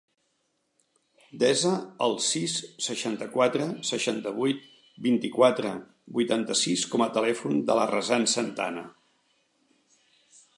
Desa el sis, seixanta-quatre, seixanta-vuit, vint-i-quatre, vuitanta-sis com a telèfon de la Razan Santana.